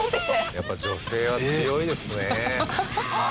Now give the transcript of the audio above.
やっぱ女性は強いですね。